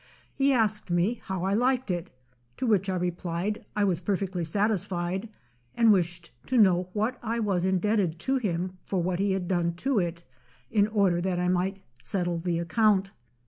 He asked me how I liked it; to which I replied, I was perfectly satisfied; and wished to know what I was indebted to him for what he had done to it, in order that I might settle the account.